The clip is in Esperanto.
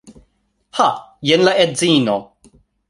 Ha! Jen la edzino.